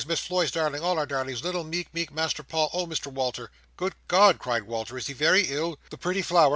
Miss Floy's darling—all our darlings—little, meek, meek Master Paul! Oh Mr Walter!" "Good God!" cried Walter. "Is he very ill?" "The pretty flower!"